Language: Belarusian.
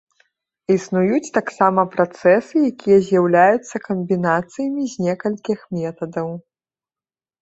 Існуюць таксама працэсы, якія з'яўляюцца камбінацыямі з некалькіх метадаў.